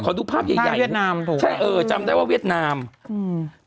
ขอดูภาพใหญ่ใช่เออจำได้ว่าเวียดนามภาพเวียดนามถูก